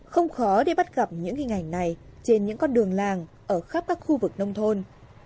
không khó để bắt gặp những hình ảnh này trên những con đường làng ở khắp các khu vực nông thôn